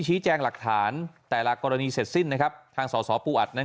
แจ้งหลักฐานแต่ละกรณีเสร็จสิ้นนะครับทางสอสอปูอัดนั้น